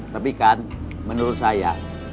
tapi kan menurut saya